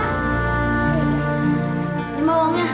ini ma uangnya